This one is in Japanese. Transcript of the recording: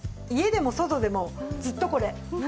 家でも外でもずっとこれ。